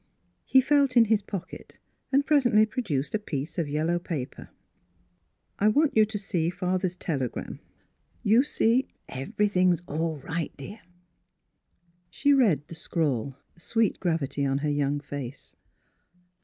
He felt in his pocket and presently pro duced a piece of yellow paper. " I want you to see father's telegram. You see everything's all right, dear." She read the scrawl, a sweet gravity on her young face.